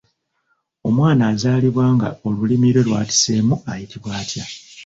Omwana azaalibwa nga olulimi lwe lwatiseemu ayitibwa atya?